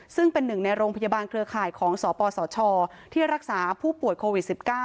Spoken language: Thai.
ซึ่งเป็นหนึ่งในโรงพยาบาลเครือข่ายของสปสชที่รักษาผู้ป่วยโควิด๑๙